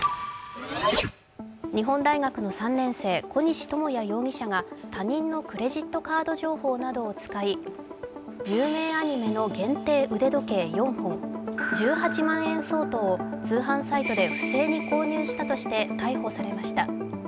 日本大学の３年生、小西智也容疑者が他人のクレジットカード情報などを使い有名アニメの限定腕時計４本１８万円相当を通販サイトで不正に購入したとして逮捕されました。